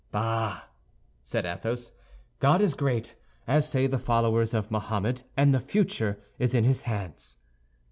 "Bah!" said Athos, "God is great, as say the followers of Mohammed, and the future is in his hands."